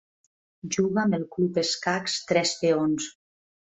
Juga amb el Club Escacs Tres Peons.